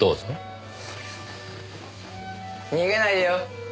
逃げないでよ。